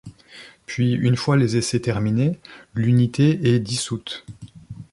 Puis une fois les essais terminés, l'unité est dissoute.